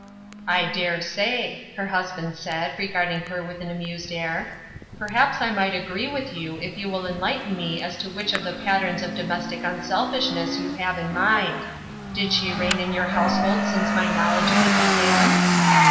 " I dare say," her husband said, regarding hei with an amused air. " Perhaps I might agree with you if you will enlighten me as to which oi the patterns of domestic unselfishness you have in mind. Did she reign in your household since my knowledge of it began